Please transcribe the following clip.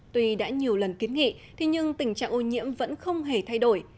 tuy đã nhiều lần kiến nghị nhưng tình trạng ô nhiễm vẫn không hề thay đổi